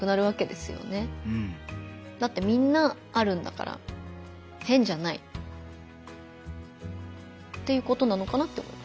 だってみんなあるんだから変じゃないっていうことなのかなって思いました。